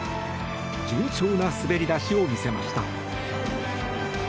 順調な滑り出しを見せました。